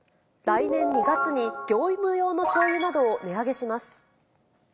来年２月に業務用のしょうゆなどを値上げします。